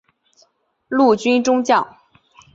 陆军中将。